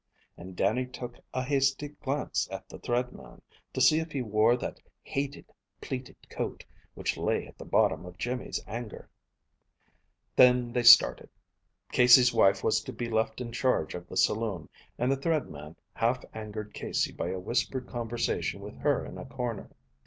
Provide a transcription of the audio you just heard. And Dannie took a hasty glance at the Thread Man, to see if he wore that hated pleated coat, which lay at the bottom of Jimmy's anger. Then they started. Casey's wife was to be left in charge of the saloon, and the Thread Man half angered Casey by a whispered conversation with her in a corner.